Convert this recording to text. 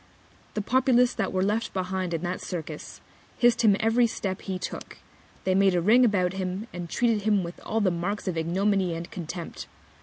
The Populace that were left behind in the Circus, hiss'd him every Step he took, they made a Ring about him, and treated him with all the Marks of Ignominy and Contempt.